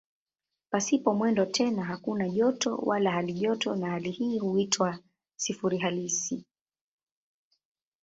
Pasipo mwendo tena hakuna joto wala halijoto na hali hii huitwa "sifuri halisi".